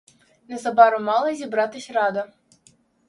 Незабаром мала зібратись рада.